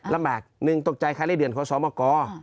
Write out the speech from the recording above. ลำบากหนึ่งตกใจค้าไร้เดือนของสอบอากอ